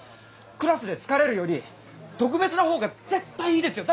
クラスで好かれるより特別なほうが絶対いいですよ。